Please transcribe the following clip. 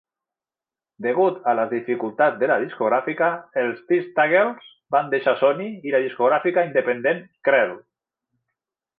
Degut a les dificultats de la discogràfica, els Testeagles van deixar Sony i la discogràfica independent Krell.